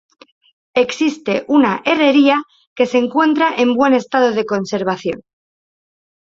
Existe una herrería que se encuentra en buen estado de conservación.